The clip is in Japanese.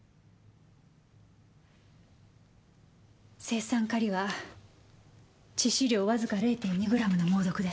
青酸カリは致死量わずか０．２グラムの猛毒です。